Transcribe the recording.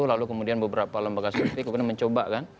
lalu kemudian beberapa lembaga seperti itu mencoba kan